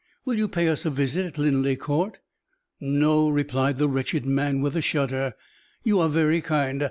Will you pay us a visit at Linleigh Court?" "No," replied the wretched man, with a shudder. "You are very kind.